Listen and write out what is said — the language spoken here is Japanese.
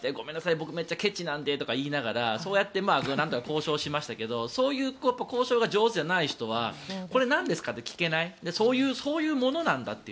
僕めっちゃケチなんでとか言いながら、そうやってなんとか交渉しましたがそういう交渉が上手じゃない人はこれ、なんですか？って聞けないそういうものなんだって。